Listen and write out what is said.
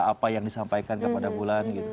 apa yang disampaikan kepada bulan